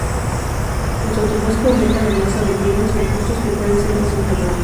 El sotobosque aumenta la masa de hierbas y arbustos que pueden ser más inflamables.